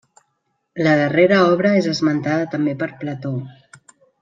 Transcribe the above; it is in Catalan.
La darrera obra és esmentada també per Plató.